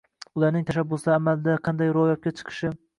ularning tashabbuslari amalda qanday ro‘yobga chiqishi